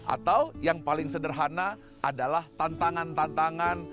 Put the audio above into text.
atau yang paling sederhana adalah tantangan tantangan